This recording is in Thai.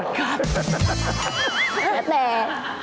แม่แม่